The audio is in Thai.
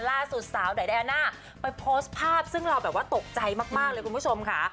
ล่าสุดสาวไดอาน่าไปโพสต์ภาพซึ่งเราแบบว่าตกใจมากเลยคุณผู้ชมค่ะ